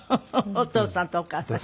「お父さん」と「お母さん」。